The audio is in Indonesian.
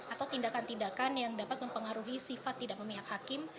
atau tindakan tindakan yang dapat mempengaruhi sifat tidak memihak hakim